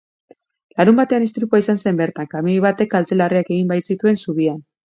Larunbatean istripua izan zen bertan, kamioi batek kalte larriak egin baitzituen zubian.